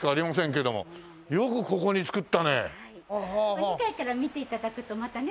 お２階から見て頂くとまたね。